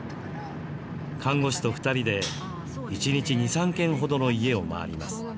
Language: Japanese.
看護師と２人で、一日２、３軒ほどの家を回ります。